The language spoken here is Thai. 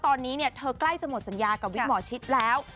ตอนนี้เนี่ยเธอใกล้จะหมดสัญญากับวิกหมอชิดแล้ว